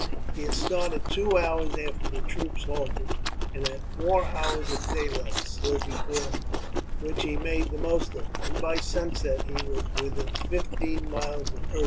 He had started two hours after the troops halted, and had four hours of daylight still before him, which he made the most of, and by sunset he was within fifteen miles of Erfurt.